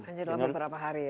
hanya dalam beberapa hari ya